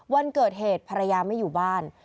วันเกิดเหตุภรรยาไม่อยู่บ้าน